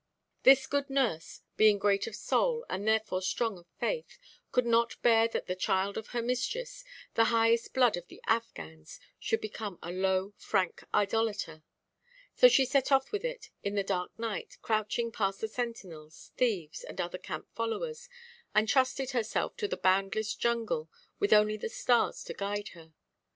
This good nurse, being great of soul, and therefore strong of faith, could not bear that the child of her mistress, the highest blood of the Affghans, should become a low Frank idolater. So she set off with it, in the dark night, crouching past the sentinels, thieves, and other camp followers, and trusted herself to the boundless jungle, with only the stars to guide her.